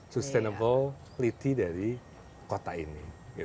sustainable polity dari kota ini